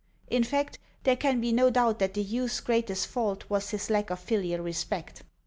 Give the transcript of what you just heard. In fact, there can be no doubt that the youth's greatest fault was his lack of filial respect.